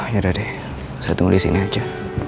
yaudah deh saya tunggu di sini aja